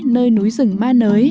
nơi núi rừng ma nới